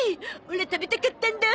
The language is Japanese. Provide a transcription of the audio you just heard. オラ食べたかったんだ。